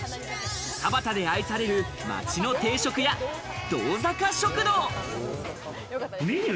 田端で愛される街の定食屋・動坂食堂。